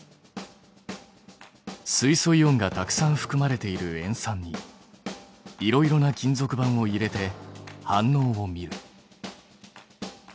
水素イオンがたくさんふくまれている塩酸にいろいろな金属板を入れて反応を見る。